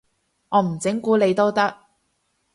我唔整蠱你都得